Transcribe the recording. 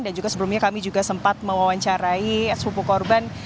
dan juga sebelumnya kami juga sempat mewawancarai sepupu korban